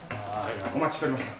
お待ちしておりました。